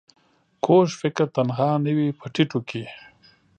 کوږ فکر تنها نه وي په ټيټو کې